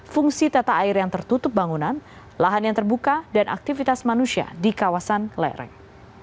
fungsi tata air yang tertutup bangunan lahan yang terbuka dan aktivitas manusia di kawasan lereng